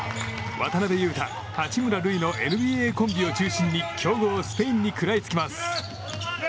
渡邊雄太、八村塁のＮＢＡコンビを中心に強豪スペインに食らいつきます。